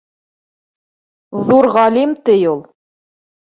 Ҙур ғалим, ти, ул